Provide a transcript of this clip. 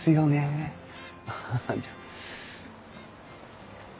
ハハじゃあ。